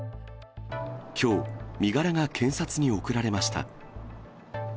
きょう、身柄が検察に送られました。